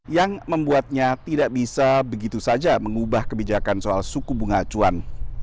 yang membuatnya tidak bisa begitu saja mengubah kebijakan soal suku bunga acuan